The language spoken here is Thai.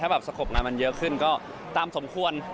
แบบสงบงานมันเยอะขึ้นก็ตามสมควร